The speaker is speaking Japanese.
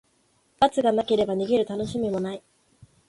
罰がなければ、逃げるたのしみもない。